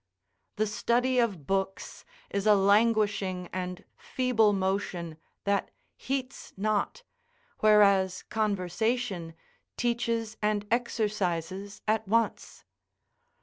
The study of books is a languishing and feeble motion that heats not, whereas conversation teaches and exercises at once.